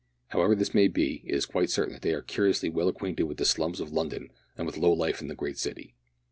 However this may be, it is quite certain that they are curiously well acquainted with the slums of London and with low life in that great city.